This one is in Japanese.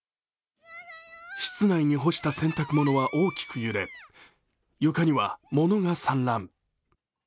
室内に干した洗濯物は大きく揺れ床には物が散乱。